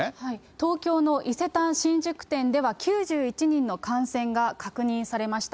東京の伊勢丹新宿店では、９１人の感染が確認されました。